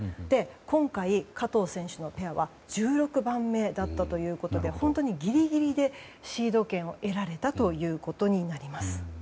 今回、加藤選手のペアは１６番目だったということで本当にギリギリでシード権を得られたということになります。